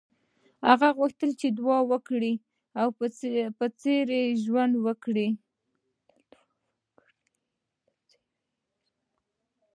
هغه غوښتل چې د عادي وګړي په څېر ژوند وکړي.